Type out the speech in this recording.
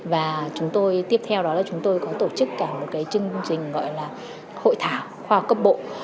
và tiếp theo chúng tôi có tổ chức cả một chương trình hội thảo khoa học cấp bộ